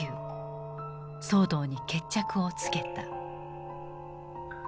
騒動に決着をつけた。